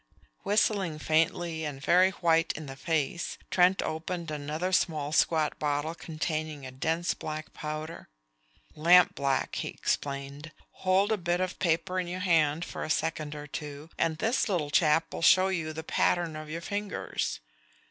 Whistling faintly, and very white in the face, Trent opened another small squat bottle containing a dense black powder. "Lamp black," he explained. "Hold a bit of paper in your hand for a second or two, and this little chap will show you the pattern of your fingers."